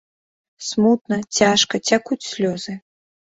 Смутна, цяжка, цякуць слёзы.